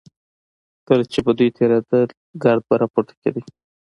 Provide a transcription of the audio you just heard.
کله چې به دوی تېرېدل ګرد به راپورته کېده.